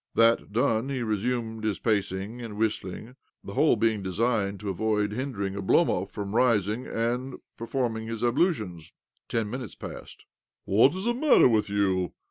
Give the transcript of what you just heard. iThat done, he resumed his pacing and whistling — the whole being designed to avoid hindering Oblomov from rising and per forming his ablutions. Ten minutes passed. "What is the matter with you?"